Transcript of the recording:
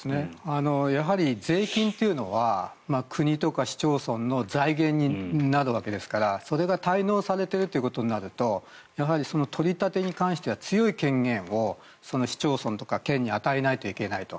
やはり税金というのは国とか市町村の財源になるわけですからそれが滞納されているということになると取り立てに関しては強い権限を市町村とか県に与えないといけないと。